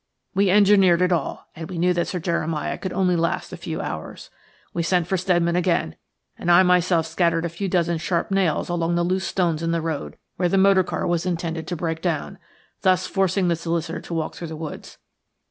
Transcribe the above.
We engineered it all, and we knew that Sir Jeremiah could only last a few hours. We sent for Steadman again, and I myself scattered a few dozen sharp nails among the loose stones in the road where the motorcar was intended to break down, thus forcing the solicitor to walk through the woods.